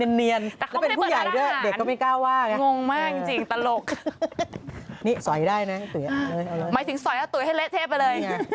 อะไรก็เขาใจนี่แบบนี้หน่อยตลกนี่สอยได้นะตุ๋ยเอาเลยหมายถึงสอยแล้วตุ๋ยให้เละเทปไปเลย